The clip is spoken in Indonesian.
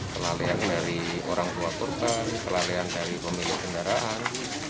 kelalean dari orang tua korban kelalean dari pemilik kendaraan